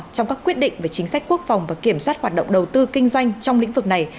trong các quyết định về chính sách quốc phòng và kiểm soát hoạt động đầu tư kinh doanh trong lĩnh vực này